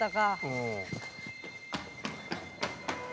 うん。